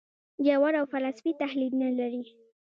ژور او فلسفي تحلیل نه لري.